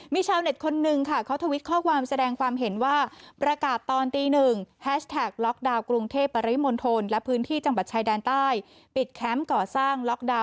มีชาวเน็ตคนหนึ่งค่ะเขาทวิดข้อความแสดงความเห็นว่า